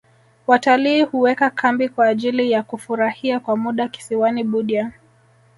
watalii huweka kambi kwa ajili ya kufurahia kwa muda kisiwani budya